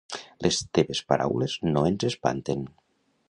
Les teves paraules no ens espanten.